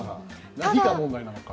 何が問題なのか。